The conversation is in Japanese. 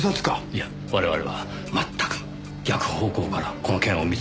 いや我々は全く逆方向からこの件を見つめていたのかもしれません。